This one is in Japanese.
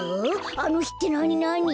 あのひってなになに？